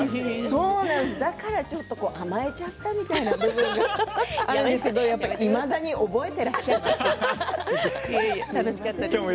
だからちょっと甘えちゃったみたいな部分があるんですけれど、いまだに覚えていらっしゃったんですね。